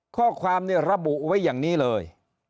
ข้อความเนี่ยระบุไว้อย่างนี้เลย